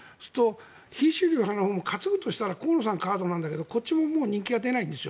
非主流派のほうも担ぐとしたら河野さんなんだけどこっちも人気が出ないんですよ。